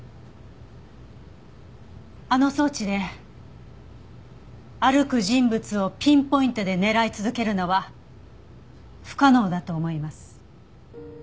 あの装置で歩く人物をピンポイントで狙い続けるのは不可能だと思います。